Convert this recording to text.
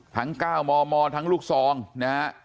ทั้ง๙มมทั้งลูกซองนะฮะ